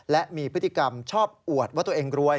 และมีพฤติกรรมชอบอวดว่าตัวเองรวย